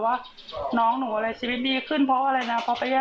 หลังจากนั้นก็เถียงกันมาเรื่อยเลยค่ะ